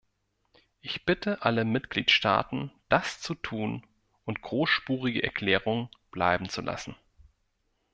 Ich bitte alle Mitgliedstaaten, das zu tun und großspurige Erklärungen bleiben zu lassen.